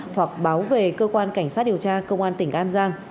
hoặc báo về cơ quan cảnh sát điều tra công an tỉnh an giang